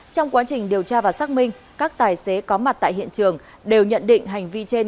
trong quá trình điều tra và xác minh các tài xế có mặt tại hiện trường đều nhận định hành vi trên